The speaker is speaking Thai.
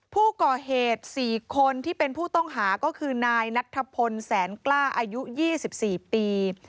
ผู้ก่อเหตุ๔คนที่เป็นผู้ต้องหาก็คือนายนัทธพลแสนกล้าอายุ๒๔ปี